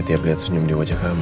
tiap lihat senyum di wajah kamu